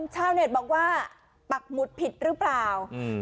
ชาวเน็ตบอกว่าปักหมุดผิดหรือเปล่าอืม